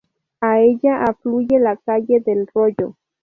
A ella afluye la calle del Rollo.